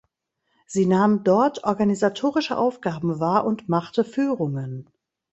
Sie nahm dort organisatorische Aufgaben war und machte Führungen.